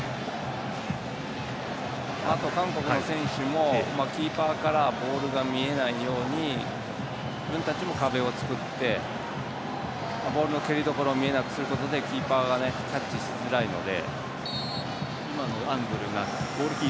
韓国の選手もキーパーからボールが見えないように自分たちも壁を作ってボールの蹴りどころを見えなくすることでキーパーがキャッチしづらいので。